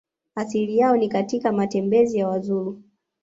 Asili yao ni katika matembezi ya Wazulu